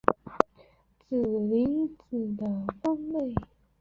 指令集的分类